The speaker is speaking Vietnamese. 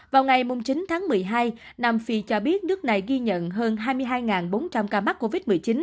vào ngày chín tháng một mươi hai nam phi cho biết nước này ghi nhận hơn hai mươi hai bốn trăm linh ca mắc covid một mươi chín